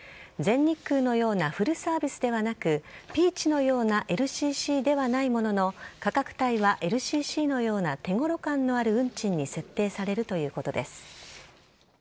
全日空のようなフルサービスではなく、ピーチのようなＬＣＣではないものの、価格帯はＬＣＣのような手ごろ感のある運賃に設定されるということです。